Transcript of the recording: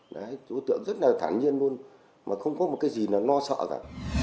đấy đối tượng rất là thán nhiên luôn mà không có một cái gì là no sợ cả